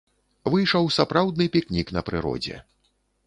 Выйшаў сапраўдны пікнік на прыродзе.